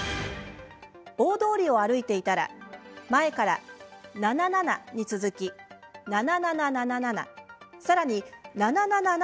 大通りを歩いていたら前から７７に続き７７７７